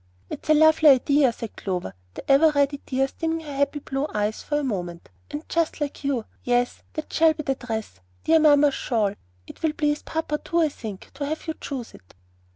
"It is a lovely idea," said Clover, the ever ready tears dimming her happy blue eyes for a moment, "and just like you. Yes, that shall be the dress, dear mamma's shawl. It will please papa too, I think, to have you choose it."